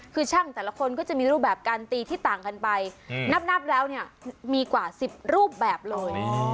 คือช่างแต่ละคนก็จะมีรูปแบบการตีที่ต่างกันไปนับแล้วเนี่ยมีกว่า๑๐รูปแบบเลย